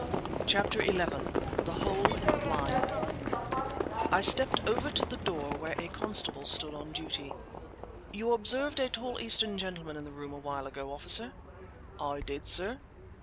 CHAPTER XI THE HOLE IN THE BLIND I stepped over to the door, where a constable stood on duty. "You observed a tall Eastern gentleman in the room a while ago, officer?" "I did, sir."